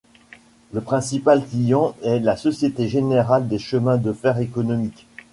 Le principal client est la Société générale des chemins de fer économiques.